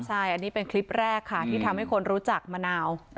ใช่อันนี้เป็นคลิปแรกค่ะที่ทำให้คนรู้จักมะนาว